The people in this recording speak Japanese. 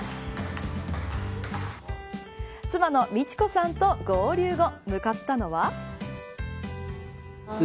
妻の道子さんと合流後向かったのは。